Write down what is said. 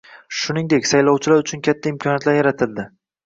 Shuningdek, saylovchilar uchun katta imkoniyatlar yaratildi.